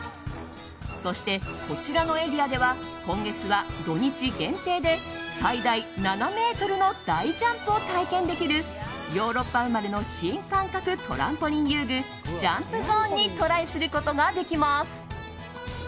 そして、こちらのエリアでは今月は土日限定で最大７ｍの大ジャンプを体験できるヨーロッパ生まれの新感覚トランポリン遊具ジャンプゾーンにトライすることができます。